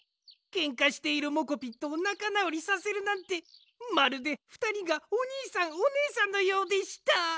けんかしているモコピットをなかなおりさせるなんてまるでふたりがおにいさんおねえさんのようでした。